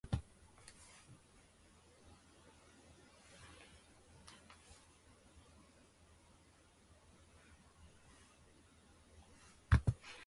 文章が少な過ぎて理解できない